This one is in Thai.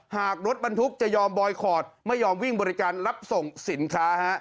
หากรถบรรทุกจะยอมบอยคอร์ดไม่ยอมวิ่งบริการรับส่งสินค้า